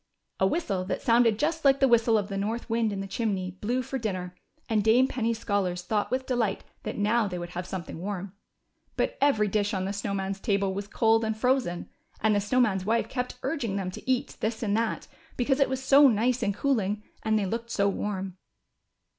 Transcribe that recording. A whistle, that sounded just like the whistle of the north wind in the chimney, blew for dinner, and Dame Penny's scholars thought with delight that now they would have something warm. But every dish on the Snow Man's table was cold and frozen, and the Snow Man's wife kept urging them to eat this and that, because it was so nice and cooling, and they looked so warm.